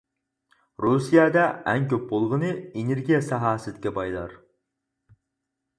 رۇسىيەدە ئەڭ كۆپ بولغىنى ئېنېرگىيە ساھەسىدىكى بايلار.